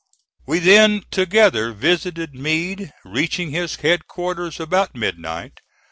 We then together visited Meade, reaching his headquarters about midnight.